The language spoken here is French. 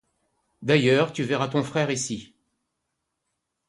D'ailleurs, tu verras ton frère ici.